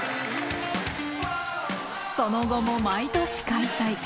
その後も毎年開催。